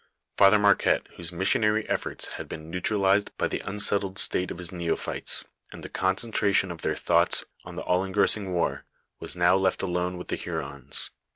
Father Marquette, whose missionary efibrts had been neutralized by the unset tled state of his neophytes, and the concentration of their thoughts on the all engrossing war, was now left alone with the Hurons.